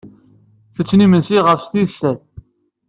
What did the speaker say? Ttetten imensi ɣef tis sat.